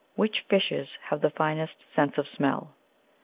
WHICH FISHES HAVE THE FINEST SEXSE OF SMELL.